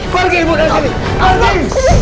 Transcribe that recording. pergi ibu dari sini